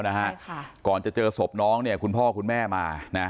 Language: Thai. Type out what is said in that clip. นะฮะค่ะก่อนจะเจอศพน้องเนี่ยคุณพ่อคุณแม่มานะ